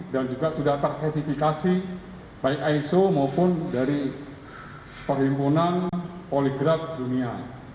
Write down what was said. dan juga sudah tersesifikasi baik iso maupun dari perhimpunan poligraf dunia